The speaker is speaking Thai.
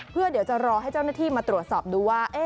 เพื่อเดี๋ยวจะรอให้เจ้าหน้าที่มาตรวจสอบดูว่า